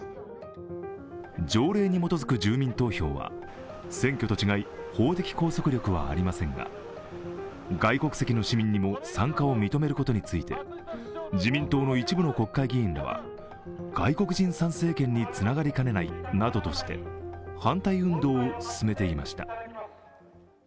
条例に基づく住民投票は選挙と違い、法的拘束力はありませんが外国籍の市民にも参加を認めることについて、自民党の一部の国会議員らは外国人参政権につながりかねないなどとして、反対運動を進めていました。